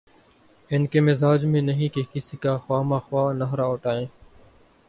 ان کے مزاج میں نہیں کہ کسی کا خواہ مخواہ نخرہ اٹھائیں۔